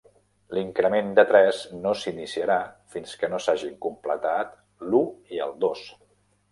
L'increment de tres no s'iniciarà fins que no s'hagin completat l'u i el dos.